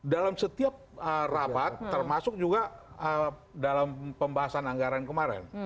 dalam setiap rapat termasuk juga dalam pembahasan anggaran kemarin